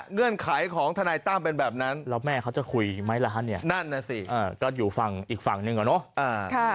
เงื่อนไขของทนายตั้มเป็นแบบนั้นแล้วแม่เขาจะคุยไหมล้านเนี่ยนั่นน่ะสิก็อยู่ฝั่งอีกฝั่งหนึ่งอะเนาะ